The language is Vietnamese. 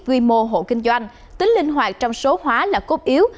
quy mô hộ kinh doanh tính linh hoạt trong số hóa là cốt yếu